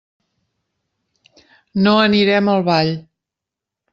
No anirem al ball.